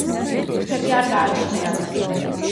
ფრთები არ გააჩნიათ.